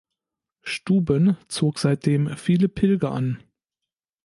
Stuben zog seitdem viele Pilger an.